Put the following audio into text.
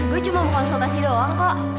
gue cuma mau konsultasi doang kok